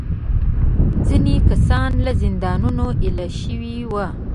ځینې کسان له زندانونو ایله شوي وو.